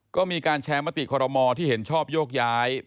ก็มีการแชร์มติคอรมอที่เห็นชอบโยกย้าย